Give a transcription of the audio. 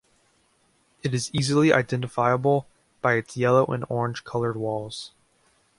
It is easily identifiable by its yellow and orange coloured walls.